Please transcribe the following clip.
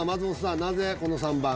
なぜこの３番？